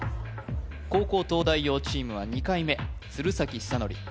後攻東大王チームは２回目鶴崎修功